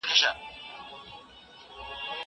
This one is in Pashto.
زه له سهاره بازار ته ځم!!